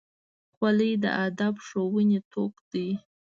خولۍ د ادب ښوونې توک دی.